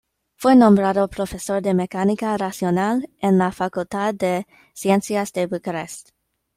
Fue nombrado profesor de mecánica racional en la Facultad de Ciencias de Bucarest.